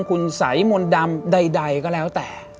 คุณสัยมนต์ดำใดก็แล้วแต่